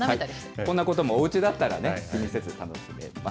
こんなこともおうちだったら気にせず楽しめます。